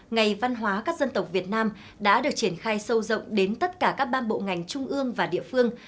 ngày văn hóa các dân tộc việt nam đã được triển khai sâu rộng đến tất cả các ban bộ ngành trung ương và địa phương